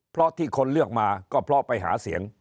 เพราะที่คนเลือกมาก็เพราะไปหาเสียง